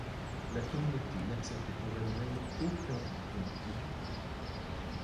La communauté n'accepte pour elle-même aucun don et cadeau.